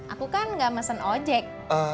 aku kan gak mesen ojek